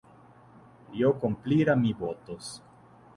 Io complira mi votos.